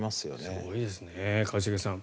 すごいですよね一茂さん。